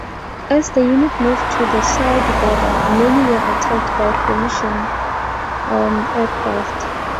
As the units moved to the Saudi border, many were attacked by Coalition aircraft.